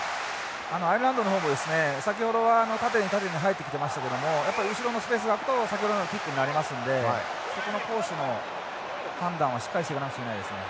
アイルランドの方も先ほどは縦に縦に入ってきていましたけれども後ろのスペースが空くと先ほどのようにキックになりますのでそこの攻守の判断はしっかりしてかなくちゃいけないですね。